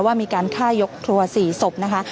ว่ามีการฆ่ายกครัว๔ศพนะคะ